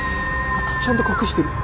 ちゃんと隠してる。